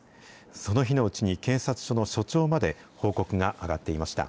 その日のうちに警察署の署長まで報告が上がっていました。